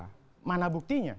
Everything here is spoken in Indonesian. itu adalah buktinya